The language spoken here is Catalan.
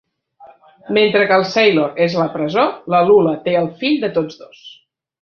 Mentre que el Sailor és a la presó, la Lula té el fill de tots dos.